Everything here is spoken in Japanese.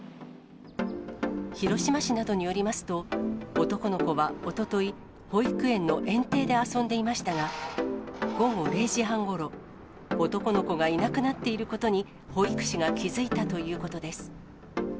広島市などによりますと、男の子はおととい、保育園の園庭で遊んでいましたが、午後０時半ごろ、男の子がいなくなっていることに保育士が気付いたということです。